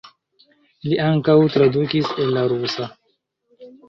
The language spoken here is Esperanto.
Li ankaŭ tradukis el la rusa.